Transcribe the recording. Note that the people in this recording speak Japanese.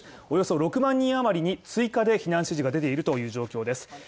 およそ６万人余りに追加で避難指示が出ているという状況です。